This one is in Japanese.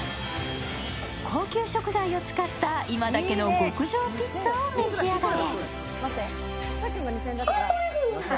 高級食材を使った今だけの極上ピッツァを召し上がれ。